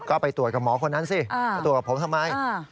ก็ไปตรวจกับหมอคนนั้นสิไปตรวจกับผมทำไม